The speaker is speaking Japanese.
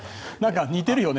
似ているよね。